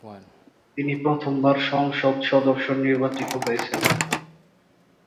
তিনি প্রথমবার সংসদ সদস্য নির্বাচিত হয়েছেন।